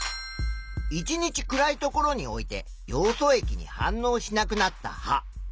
１日暗い所に置いてヨウ素液に反応しなくなった葉。